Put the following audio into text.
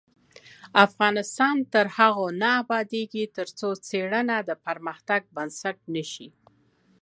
افغانستان تر هغو نه ابادیږي، ترڅو څیړنه د پرمختګ بنسټ نشي.